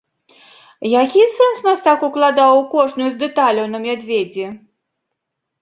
Які сэнс мастак укладаў у кожную з дэталяў на мядзведзі?